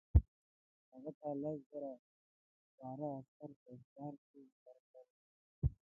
هغه ته لس زره سپاره عسکر په اختیار کې ورکړل.